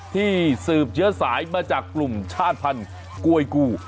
ที่สืบเชื้อสายมาจากกลุ่มชาติภัณฑ์กล้วยกู้